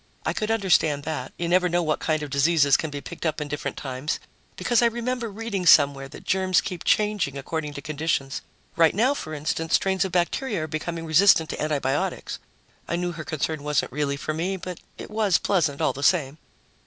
I could understand that; you never know what kind of diseases can be picked up in different times, because I remember reading somewhere that germs keep changing according to conditions. Right now, for instance, strains of bacteria are becoming resistant to antibiotics. I knew her concern wasn't really for me, but it was pleasant all the same.